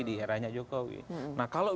di eranya jokowi nah kalau